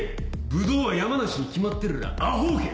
ブドウは山梨に決まってるらアホけ。